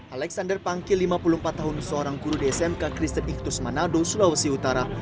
alexander panggil lima puluh empat tahun seorang guru di smk kristen iktus manado sulawesi utara